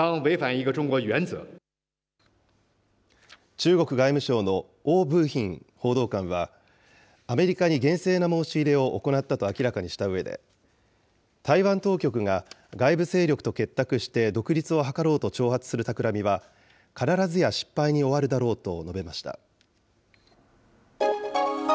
中国外務省の汪文斌報道官は、アメリカに厳正な申し入れを行ったと明らかにしたうえで、台湾当局が外部勢力と結託して独立を図ろうと挑発するたくらみは、必ずや失敗に終わるだろうと述べました。